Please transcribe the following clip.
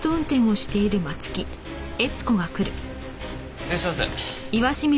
いらっしゃいませ。